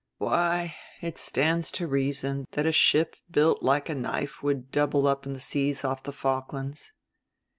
Why, it stands to reason that a ship built like a knife would double up in the seas off the Falklands."